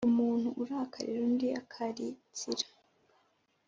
Umuntu urakarira undi akaritsira,